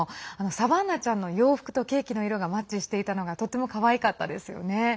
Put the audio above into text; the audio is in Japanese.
サバンナちゃんの洋服とケーキの色がマッチしていたのがとってもかわいかったですよね。